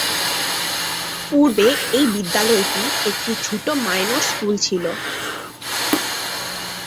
পূর্বে এই বিদ্যালয়টি একটি ছোট মাইনর স্কুল ছিল।